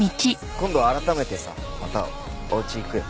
今度改めてさまたおうち行くよ。